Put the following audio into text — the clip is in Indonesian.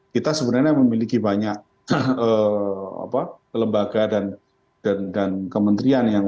kita sebenarnya memiliki banyak lembaga dan kementerian yang